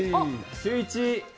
シューイチ。